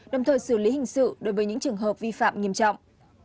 đồng thời xử lý hình sự đối với những trường hợp vi phạm nghiêm trọng